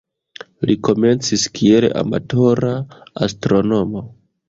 Li komencis kiel amatora astronomo.